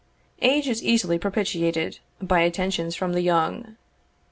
Age is easily propitiated by attentions from the young.